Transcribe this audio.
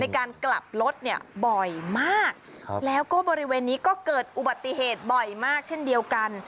การกลับรถเนี่ยบ่อยมากแล้วก็บริเวณนี้ก็เกิดอุบัติเหตุบ่อยมากเช่นเดียวกัน